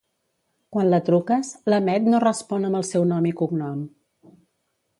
Quan la truques, la Mette no respon amb el seu nom i cognom.